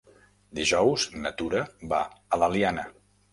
Dijous na Tura va a l'Eliana.